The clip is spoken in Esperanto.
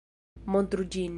Montru ĝin!